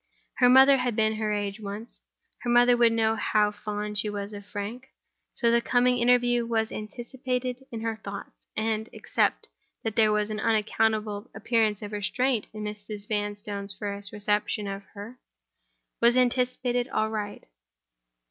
Her mother had been her age once; her mother would know how fond she was of Frank. So the coming interview was anticipated in her thoughts; and—except that there was an unaccountable appearance of restraint in Mrs. Vanstone's first reception of her—was anticipated aright.